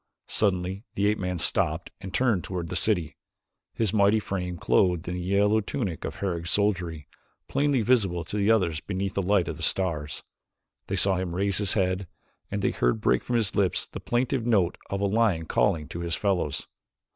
Suddenly the ape man stopped and turned toward the city, his mighty frame, clothed in the yellow tunic of Herog's soldiery, plainly visible to the others beneath the light of the stars. They saw him raise his head and they heard break from his lips the plaintive note of a lion calling to his fellows.